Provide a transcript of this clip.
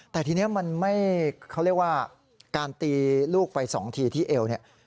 แต่ทีนี้มันไม่เขาเรียกว่าการตีลูกไปสองทีที่เอวเนี่ย